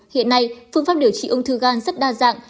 hiện nay phương pháp điều trị ung thư gan rất đa dạng